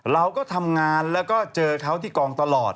เราก็ทำงานแล้วก็เจอเขาที่กองตลอด